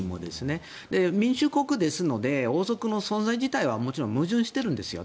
民主国ですので王族の存在自体は矛盾しているんですよ。